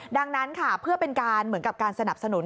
ดังนั้นค่ะเพื่อเป็นการเหมือนกับการสนับสนุน